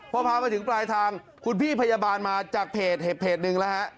พอพามาถึงปลายทางคุณพี่พยาบาลมาจากเพจหนึ่งแล้วฮะ